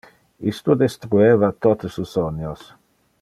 Isto destrueva tote su sonios.